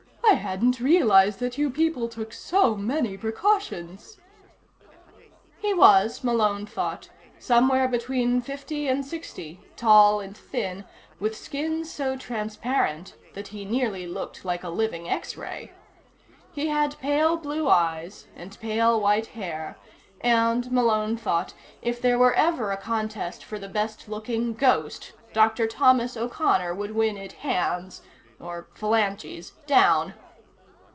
"I hadn't realized that you people took so many precautions " He was, Malone thought, somewhere between fifty and sixty, tall and thin with skin so transparent that he nearly looked like a living X ray. He had pale blue eyes and pale white hair, and, Malone thought, if there ever were a contest for the best looking ghost, Dr. Thomas O'Connor would win it hands (or phalanges) down.